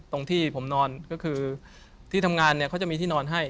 ตรงที่ผมนอนก็คือที่ทำงานเนี่ยเขาจะมีที่นอนให้